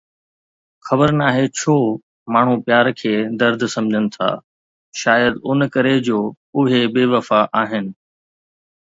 خبر ناهي ڇو ماڻهو پيار کي درد سمجهن ٿا، شايد ان ڪري جو اهي بي وفا آهن